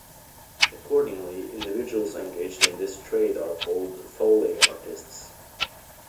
Accordingly, individuals engaged in this trade are called "Foley artists".